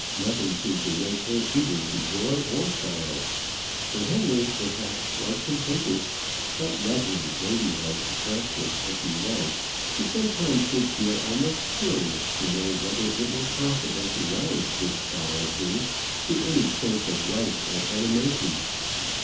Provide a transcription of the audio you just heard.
Nothing seemed to wake her either to joy or sorrow. Sir Henry, perhaps, was contented; but lovely, ladylike, attractive as she was, he sometimes did feel almost curious to know whether it were possible to rouse this doll of his to any sense of life or animation.